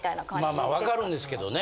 まあまあ分かるんですけどね。